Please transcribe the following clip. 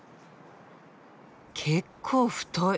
結構太い！